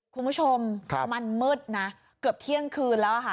คุณผู้ชมมันมืดนะเกือบเที่ยงคืนแล้วค่ะ